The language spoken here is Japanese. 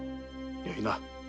よいな。